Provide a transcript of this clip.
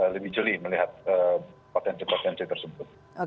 lebih jeli melihat potensi potensi tersebut